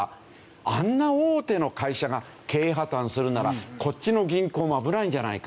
あんな大手の会社が経営破綻するならこっちの銀行も危ないんじゃないか。